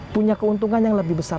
punya keuntungan yang lebih besar